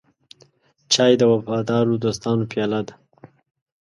چای د وفادارو دوستانو پیاله ده.